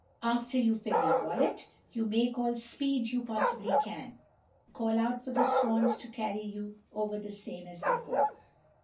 After you fill your wallet, you make all speed you possibly can, and call out for the swans to carry you over the same as before.